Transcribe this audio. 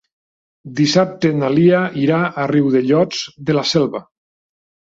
Dissabte na Lia irà a Riudellots de la Selva.